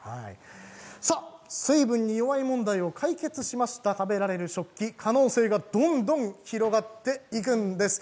水分に弱い問題を解決した食べられる食器可能性がどんどん広がっていくんです。